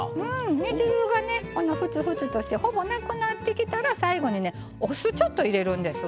煮汁がねこんなふつふつとしてほぼなくなってきたら最後にねお酢ちょっと入れるんですわ。